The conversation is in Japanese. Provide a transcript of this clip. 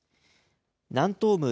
南東部